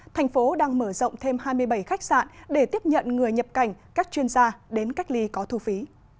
thành phố đang mở rộng thêm hai mươi bảy khách sạn để tiếp nhận người nhập cảnh các chuyên gia đến cách ly có thu phí